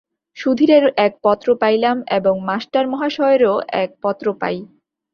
সুধীরের এক পত্র পাইলাম এবং মাষ্টার মহাশয়েরও এক পত্র পাই।